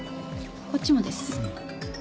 こっちもです。